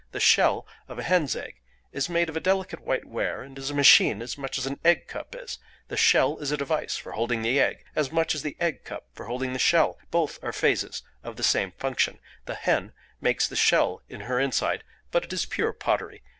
The shell of a hen's egg is made of a delicate white ware and is a machine as much as an egg cup is: the shell is a device for holding the egg, as much as the egg cup for holding the shell: both are phases of the same function; the hen makes the shell in her inside, but it is pure pottery.